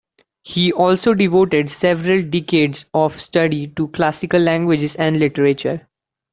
He also devoted several decades of study to classical languages and literature.